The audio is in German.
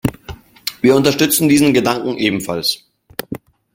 Wir unterstützen diesen Gedanken ebenfalls.